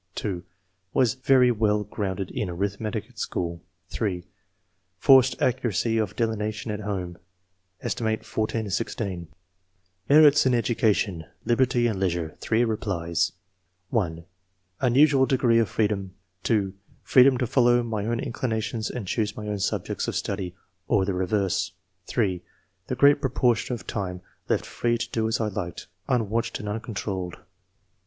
(2) "Was very well grounded in arithmetic at school." R 2 2 W ENGLISH MEN OF SCIENCE. [cnAP. (3) '* Forced accuracy of delineation at home, set. 14 16/' MERITS IN EDUCATION : LIBERTY AND LEIS URE — THREE REPLIES. (1) " Unusual degree of freedom. jf (2) '* Freedom to follow my own inclinations and choose my own subjects of study, or the reverse." (3) " The great proportion of time left free to do as I liked, unwatched and uncontrolled."